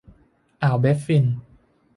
อ่าวแบฟฟิน